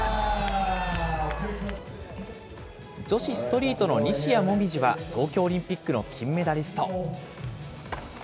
女子ストリートの西矢椛は、東京オリンピックの金メダリスト。